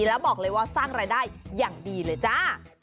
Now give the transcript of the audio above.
แล้วบอกเลยว่าสร้างรายได้อย่างดีเลยจ้า